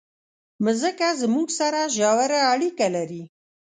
مځکه زموږ سره ژوره اړیکه لري.